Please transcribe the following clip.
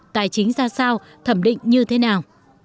tài chính ra sao thẩm định như thế nào